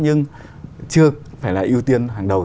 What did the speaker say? nhưng chưa phải là ưu tiên hàng đầu